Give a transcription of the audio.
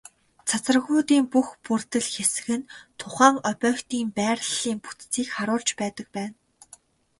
Цацрагуудын бүх бүрдэл хэсэг нь тухайн объектын байрлалын бүтцийг харуулж байдаг байна.